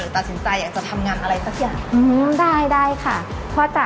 หรือตัดสินใจที่อยากทำงานอะไรละ